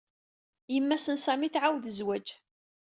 Yemma-s n Sami tɛawed zwaǧǧ.